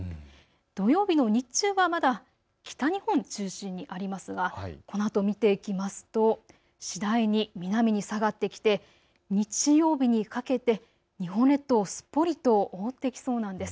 土曜日の日中はまだ北日本を中心にありますがこのあとを見ていきますと次第に南に下がってきて日曜日にかけて日本列島をすっぽりと覆ってきそうなんです。